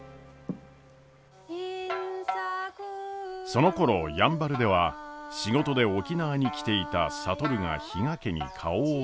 そのころやんばるでは仕事で沖縄に来ていた智が比嘉家に顔を出しました。